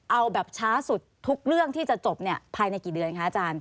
เอาแบบช้าสุดทุกเรื่องที่จะจบภายในกี่เดือนคะอาจารย์